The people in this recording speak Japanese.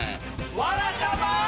「わらたま」。